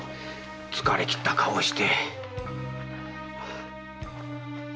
疲れきった顔して。